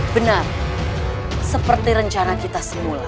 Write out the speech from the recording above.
benar seperti rencana kita semula